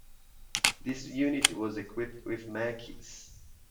This unit was equipped with Macchis.